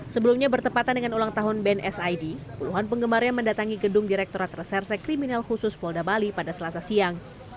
sebelumnya bertepatan dengan ulang tahun bnsid puluhan penggemarnya mendatangi gedung direkturat reserse kriminal khusus polda bali pada selasa siang